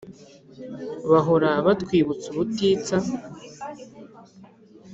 Bahora batwibutsa ubutitsa